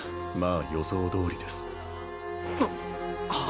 あ予想どおりですはあ！？